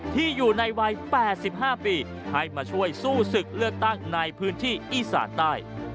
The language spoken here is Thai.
ที่อยู่ในวัย๘๕ปีให้มาช่วยสู้ศึกเลือกตั้งในพื้นที่อีสานใต้